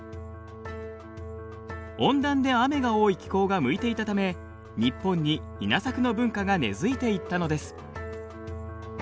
温暖で雨が多い気候が向いていたため日本に稲作の文化が根づいていったのです。